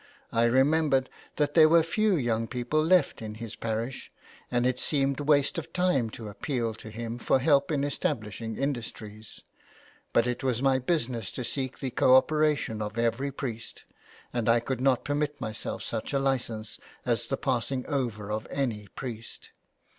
I re membered that there were few young people left in his parish, and it seemed waste of time to appeal to him for help in establishing industries ; but it was my business to seek the co operation of every priest, and I could not permit myself such a licence as the passing over of any priest.